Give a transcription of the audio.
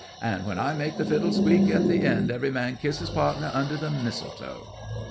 And when I make the fiddle squeak at the end, every man kiss his pardner under the mistletoe!"